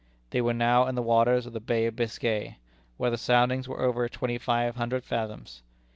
They were now in the waters of the Bay of Biscay, where the soundings were over twenty five hundred fathoms.